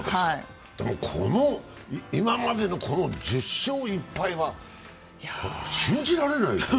でも今までの１０勝１敗は信じられる？